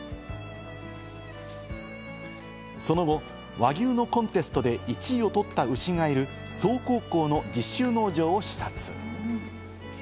その後、和牛のコンテストで１位を取った牛がいる曽於高校の実習農場を視察。